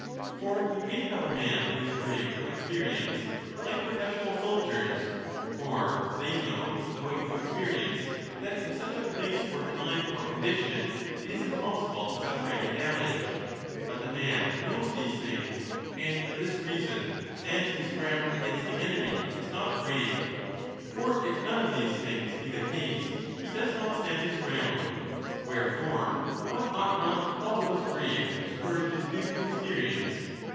For you may have a man who is brave from experience, like professional soldiers. For they know, 25 owing to experience, that in such a place or time or condi tion it is impossible to suffer any damage. But the man who knows these things and for this reason stands his ground against the enemy is not brave ; for if none of these things be the case, he does not stand his ground. Wherefore one ought not to call those brave whose courage is due to experience.